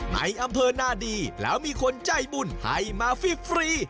ในอำเภอนาดีแล้วมีคนใจบุญให้มาฟิกฟรี